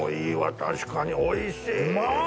確かにおいしい。